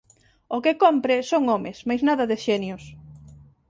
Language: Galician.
O que cómpre son homes; mais nada de xenios.